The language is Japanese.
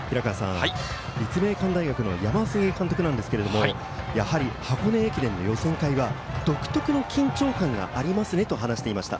立命館大学の山添監督ですが、やはり箱根駅伝の予選会では独特の緊張感がありますねと話していました。